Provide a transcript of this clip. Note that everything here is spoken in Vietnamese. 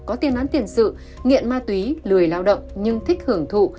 có tiền án tiền sự nghiện ma túy lười lao động nhưng thích hưởng thụ